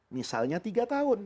misalnya tiga tahun